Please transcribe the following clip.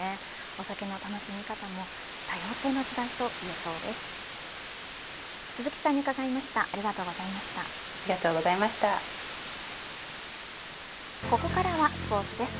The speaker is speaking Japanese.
お酒の楽しみ方も多様性の時代といえそうです。